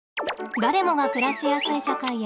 誰もが暮らしやすい社会へ。